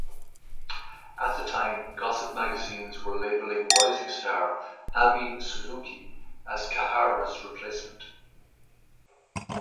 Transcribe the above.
At that time, gossip magazines were labeling rising-star, Ami Suzuki, as Kahara's replacement.